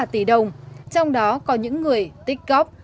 trong đó có những người tích góp